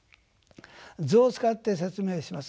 図を使って説明します。